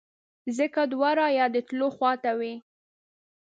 ځکه دوه رایې د تلو خواته وې.